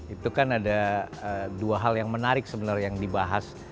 itu kan ada dua hal yang menarik sebenarnya yang dibahas